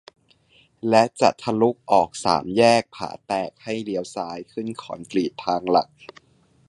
และจะทะลุออกสามแยกผาแตกให้เลี้ยวซ้ายขึ้นคอนกรีตทางหลัก